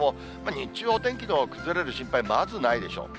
日中はお天気の崩れる心配、まずないでしょう。